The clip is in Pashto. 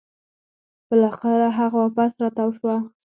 بلاخره هغه واپس راتاو شوه